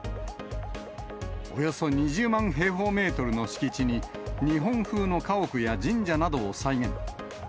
およそ２０万平方メートルの敷地に、日本風の家屋や神社などを再現。